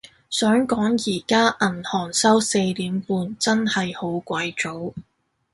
想講而家銀行收四點半，真係好鬼早